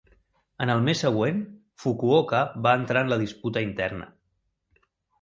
En el mes següent, Fukuoka va entrar en la disputa interna.